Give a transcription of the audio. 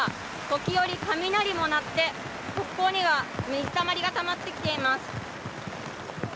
時折、雷も鳴って側溝には水たまりがたまってきています。